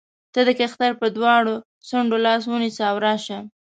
ته د کښتۍ پر دواړو څنډو لاس ونیسه او راشه.